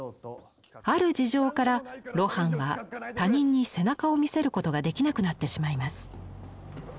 ある事情から露伴は他人に背中を見せることができなくなってしまいます。